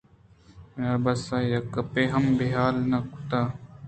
بناربسءَ یک گپے ہم بے حال نہ کُتگ اَت